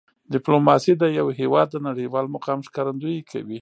ډیپلوماسي د یو هېواد د نړیوال مقام ښکارندویي کوي.